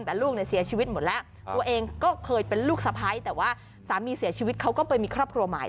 แต่ลูกเนี่ยเสียชีวิตหมดแล้วตัวเองก็เคยเป็นลูกสะพ้ายแต่ว่าสามีเสียชีวิตเขาก็ไปมีครอบครัวใหม่